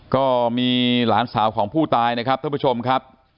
ก็มีหลานสาวของผู้ตายนะครับท่านผู้ชมครับ